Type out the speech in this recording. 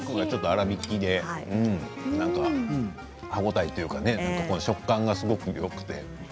粗びきで、歯応えというか食感がすごくよくて。